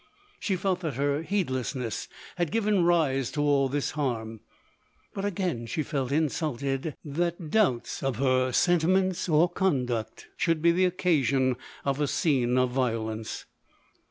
She felt that her heedlessness had given rise to all this harm ; but again she felt insulted that doubts of her sentiments or conduct should be the occasion of a scene of violence.